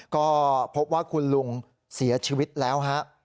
ก็พบว่าคุณลุงเสียชีวิตแล้วฮะ